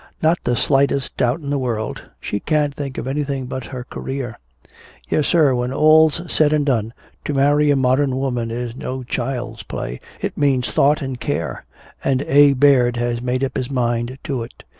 Not the slightest doubt in the world. She can't think of anything but her career. Yes, sir, when all's said and done, to marry a modern woman is no child's play, it means thought and care. And A. Baird has made up his mind to it.